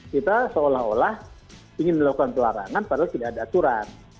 kita seolah olah ingin melakukan pelarangan padahal tidak ada aturan